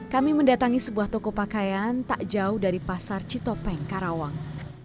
kami mendatangi sebuah toko pakaian tak jauh dari pasar citopeng karawang